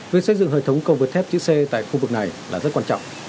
với xây dựng hệ thống cầu vượt thép chữ c tại khu vực này là rất quan trọng